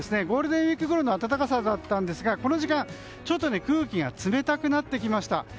ゴールデンウィークごろの暖かさだったんですがこの時間、ちょっと空気が冷たくなってきました。